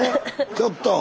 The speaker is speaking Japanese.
ちょっと！